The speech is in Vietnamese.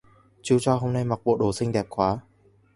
Chu choa hôm nay mặc bộ đồ xinh đẹp quá